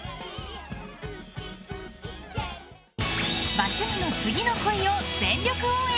バツ２の次の恋を全力応援！